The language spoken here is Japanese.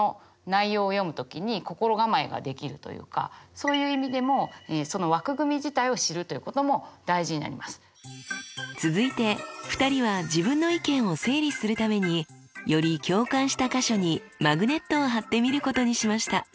そういう意味でも続いて２人は自分の意見を整理するためにより共感した箇所にマグネットを貼ってみることにしました。